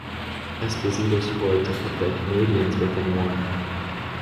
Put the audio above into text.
Esposito scored to put the Canadians within one.